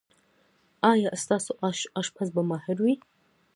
ایا ستاسو اشپز به ماهر وي؟